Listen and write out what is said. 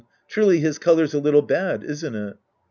Truly his color's a little bad, isn't it